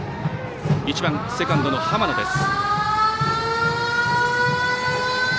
１番セカンドの浜野です。